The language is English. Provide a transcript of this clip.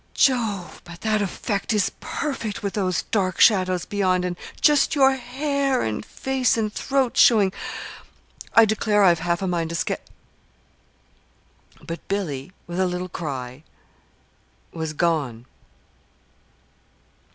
Jove! But that effect is perfect with those dark shadows beyond, and just your hair and face and throat showing. I declare, I've half a mind to sketch " But Billy, with a little cry, was gone.